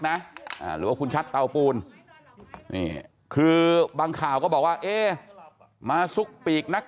หรือว่าคุณชัดเตาปูนนี่คือบางข่าวก็บอกว่าเอ๊ะมาซุกปีกนัก